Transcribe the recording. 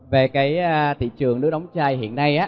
về cái thị trường nước đóng chai hiện nay